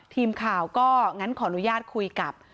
ทีมข่าวก็งั้นขออนุญาตคุยกับ